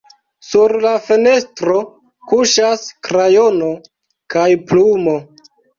Sur la fenestro kuŝas krajono kaj plumo.